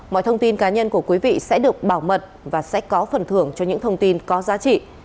mọi thông tin cá nhân của quý vị sẽ được bảo mật và sẽ có phần thưởng cho những thông tin có giá trị